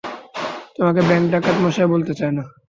তোমাকে ব্যাংক ডাকাত মশাই বলতে চাই না।